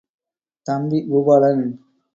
தம்பி பூபாலன்!